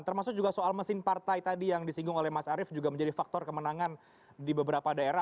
termasuk juga soal mesin partai tadi yang disinggung oleh mas arief juga menjadi faktor kemenangan di beberapa daerah